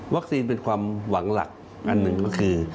วัคซีนเป็นความหวังหลักอันนึงคือ